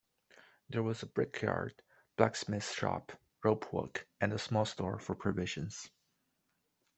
There was a brickyard, blacksmith's shop, rope walk and small store for provisions.